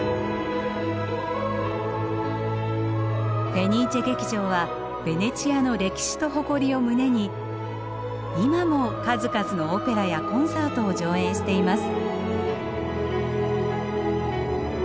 フェニーチェ劇場はベネチアの歴史と誇りを胸に今も数々のオペラやコンサートを上演しています。